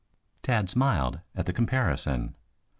Tad smiled at the comparison.